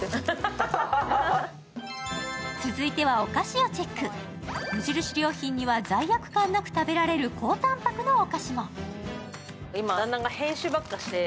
続いてはお菓子をチェック、無印良品には罪悪感なく食べられる高タンパクのお菓子も。